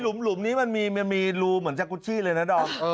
ลุมนี่มันมีลูเหมือนจัทรุดชี้เลยนะดอง